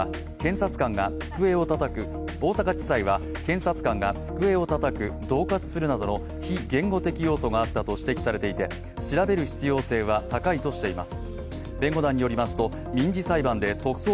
大阪地裁は検察官が机をたたく、どう喝するなどの非言語的要素があったと指摘されていて調べる必要性は高いとしています。